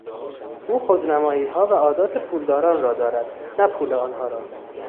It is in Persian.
او خودنماییها و عادات پولداران را دارد، نه پول آنها را.